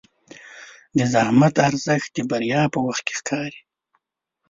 د زحمت ارزښت د بریا په وخت ښکاري.